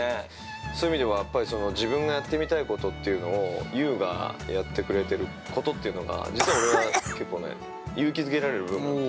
そういう意味では、自分がやってみたいことっていうのを優がやってくれてることというのが、実は俺は、結構ね勇気づけられる部分もあって。